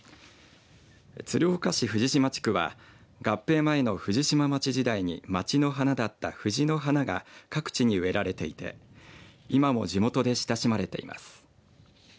鶴岡市藤島地区は合併前の藤島町時代に町の花だった藤の花が各地に植えられていて今も地元で親しまれています。